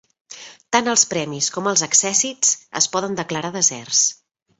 Tant els premis com els accèssits es poden declarar deserts.